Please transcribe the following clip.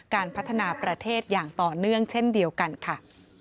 การพัฒนาประเทศอย่างต่อเนื่องเช่นเดียวกันค่ะ